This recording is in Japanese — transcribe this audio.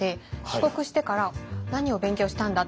帰国してから「何を勉強したんだ？」。